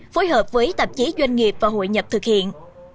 phối hợp với tạp chí doanh nghiệp và hội nhập thực hiện